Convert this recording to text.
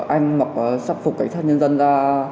anh mặc sạc phục cảnh sát nhân dân ra